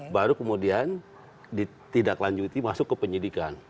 baru kemudian ditidaklanjuti masuk ke penyelidikan